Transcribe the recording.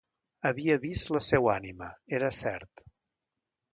Havia vist la seua ànima; era cert.